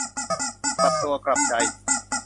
กลับตัวกลับใจ